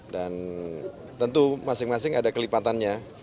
dan tentu masing masing ada kelipatan